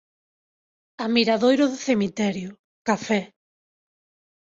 A Miradoiro do Cemiterio, café.